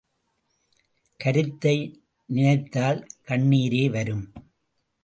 கருத்தை நினைத்தால் கண்ணீரே வரும்.